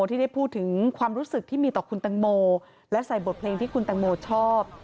ที่ได้พูดถึงความรู้สึกที่มีต่อคุณตังโมและใส่บทเพลงที่คุณแตงโมชอบ